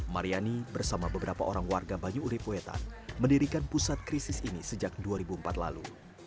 mariani bersama beberapa orang warga banyu urip wetan mendirikan pusat krisis ini sejak dua ribu empat lalu